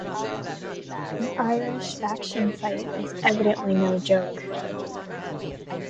An Irish faction fight is evidently no joke.